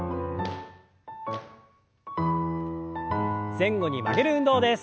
前後に曲げる運動です。